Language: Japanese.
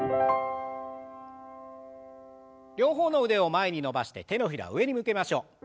両方の腕を前に伸ばして手のひらを上に向けましょう。